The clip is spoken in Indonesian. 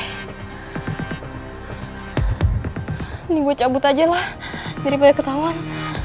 ini buat cabut aja lah daripada ketahuan